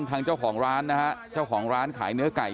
ทางเจ้าของร้านนะฮะเจ้าของร้านขายเนื้อไก่